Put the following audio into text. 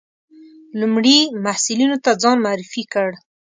لومړي محصلینو ته ځان معرفي کړ.